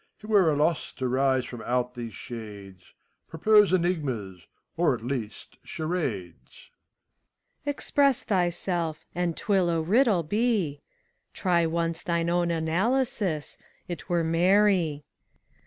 It were a loss to rise from out these shades: — Propose enigmas, or at least charades! SPHINX. Express thyself, and 't will a riddle be. Try once thine own analysis : 't were merry.